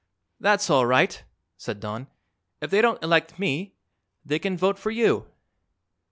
"That's all right," said Don. "If they don't elect me they can vote for you."